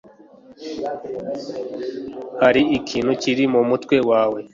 Hari ikintu kiri mu mutwe wawe